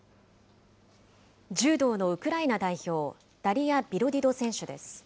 柔道のウクライナ代表、ダリア・ビロディド選手です。